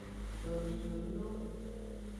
Domenyonyo.